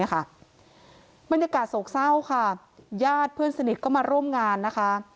บรรยากาศโศกเศร้าค่ะญาติเพื่อนสนิทก็มาร่วมงานนะคะ